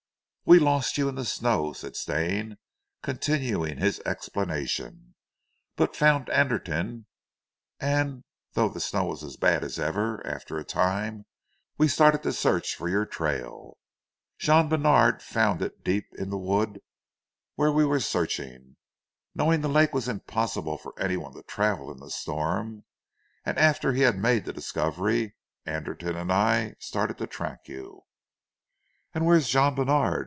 "We lost you in the snow," said Stane, continuing his explanation, "but found Anderton, and though the snow was as bad as ever, after a time we started to search for your trail. Jean Bènard found it deep in the wood where we were searching, knowing the lake was impossible for any one to travel in the storm, and after he had made the discovery, Anderton and I started to track you." "And where is Jean Bènard?"